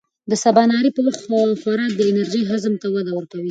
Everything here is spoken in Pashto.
د سباناري پر وخت خوراک د انرژۍ هضم ته وده ورکوي.